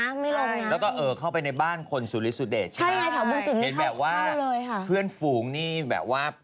ยังไม่ลงนะเพราะว่ามัตถึงตกแล้ว